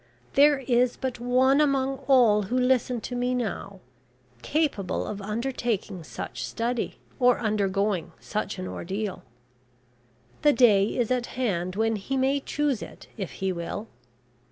There is but one among all who listen to me now, capable of undertaking such study, or undergoing such an ordeal. The day is at hand when he may choose it, if he will.